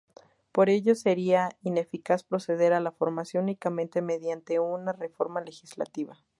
Por ello, sería ineficaz proceder a la formalización únicamente mediante una reforma legislativa.